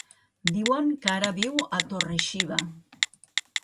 Diuen que ara viu a Torre-xiva.